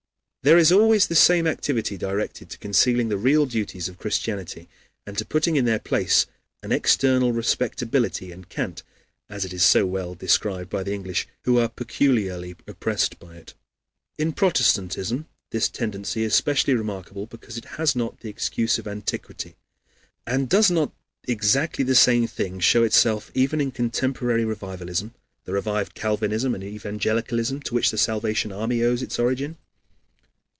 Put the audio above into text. There is always the same activity directed to concealing the real duties of Christianity, and to putting in their place an external respectability and cant, as it is so well described by the English, who are peculiarly oppressed by it. In Protestantism this tendency is specially remarkable because it has not the excuse of antiquity. And does not exactly the same thing show itself even in contemporary revivalism the revived Calvinism and Evangelicalism, to which the Salvation Army owes its origin?